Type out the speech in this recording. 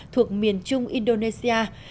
thuộc miền trung indonesia